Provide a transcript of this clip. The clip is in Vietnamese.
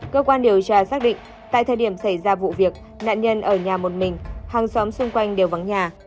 cơ quan điều tra xác định tại thời điểm xảy ra vụ việc nạn nhân ở nhà một mình hàng xóm xung quanh đều vắng nhà